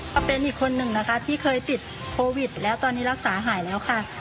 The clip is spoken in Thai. ก็เป็นอีกคนหนึ่งนะคะที่เคยติดโควิดแล้วตอนนี้รักษาหายแล้วค่ะ